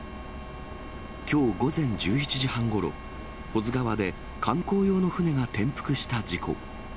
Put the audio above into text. きょう午前１１時半ごろ、保津川で観光用の船が転覆した事故。